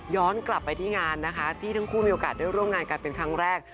กลับไปที่งานนะคะที่ทั้งคู่มีโอกาสได้ร่วมงานกันเป็นครั้งแรก